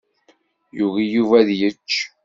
Yugi Yuba ad yečč.